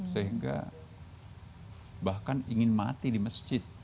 sehingga bahkan ingin mati di masjid